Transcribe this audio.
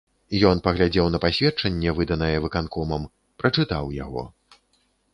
Ён паглядзеў на пасведчанне, выданае выканкомам, прачытаў яго.